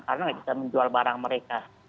karena tidak bisa menjual barang mereka